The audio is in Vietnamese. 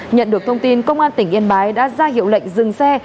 nhận được thông tin công an tỉnh yên bái đã ra hiệu lệnh dừng xe